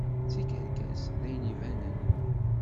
D tikerkas d ayen ibanen.